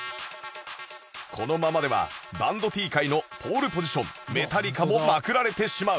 このままではバンド Ｔ 界のポールポジションメタリカもまくられてしまう